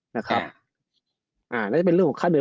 น่าจะเป็นเรื่องของค่าเหนื่อย